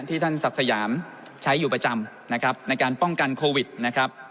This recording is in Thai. ท่านศักดิ์สยามใช้อยู่ประจำนะครับในการป้องกันโควิดนะครับ